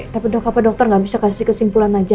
tapi dok apa dokter nggak bisa kasih kesimpulan aja